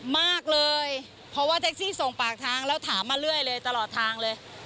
มากเลยเพราะว่าแท็กซี่ส่งปากทางแล้วถามมาเรื่อยเลยตลอดทางเลย